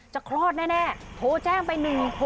คลอดแน่โทรแจ้งไป๑๖๖